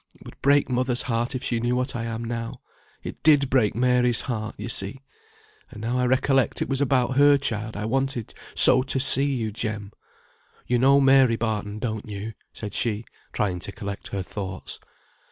It would break mother's heart if she knew what I am now it did break Mary's heart, you see. And now I recollect it was about her child I wanted so to see you, Jem. You know Mary Barton, don't you?" said she, trying to collect her thoughts.